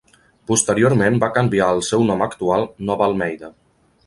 Posteriorment va canviar al seu nom actual, Nova Almeida.